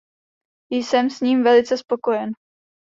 Jsem s ním velice spokojen.